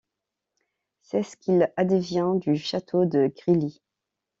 C'est ce qu'il advient du château de Grilly.